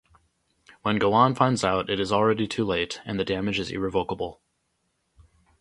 When Gowan finds out, it is already too late, and the damage is irrevocable.